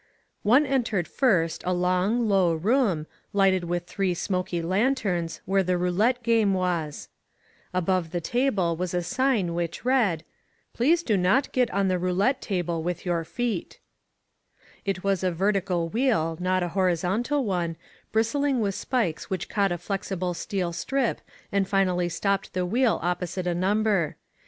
One entered first a long, low room, lighted with three smoky lanterns, where the roulette game was. S8I INSURGENT MEXICO Above the table was a sign which read: Please do not get on the rotdette table with your feet:* It was a vertical wheel, not a horizontal one, bristling with spikes which caught a flexible steel strip and finally stopped the wheel opposite a number.